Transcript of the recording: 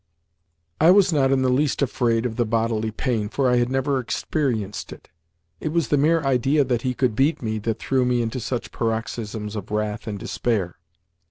I was not in the least afraid of the bodily pain, for I had never experienced it. It was the mere idea that he could beat me that threw me into such paroxysms of wrath and despair.